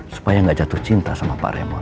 supaya gak jatuh cinta sama pak raymond